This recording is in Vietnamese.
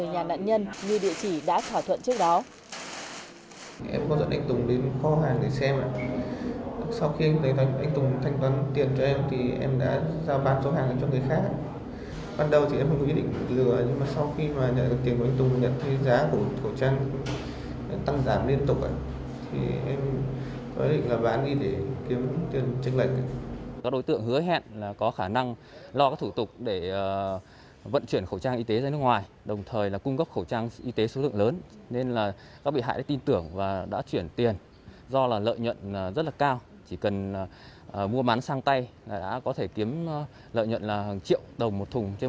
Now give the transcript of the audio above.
hoàng anh đã gửi đi malaysia cho người nhà nạn nhân như địa chỉ đã thỏa thuận trước đó